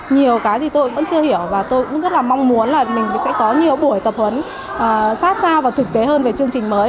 nhiều cái thì tôi vẫn chưa hiểu và tôi cũng rất là mong muốn là mình sẽ có nhiều buổi tập huấn sát sao và thực tế hơn về chương trình mới